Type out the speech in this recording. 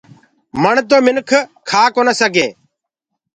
مڻ تو منک کآ ڪونآ سگھينٚ۔